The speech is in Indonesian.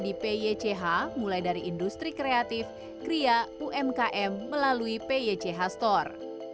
di pych mulai dari industri kreatif kria umkm melalui pych store